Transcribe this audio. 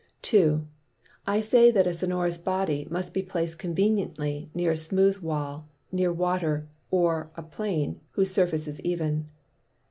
2. I say, that the Sonorous Body must be plac'd conveniently, near a Smooth Wall, near Water, or a Plain, whose Surface is even.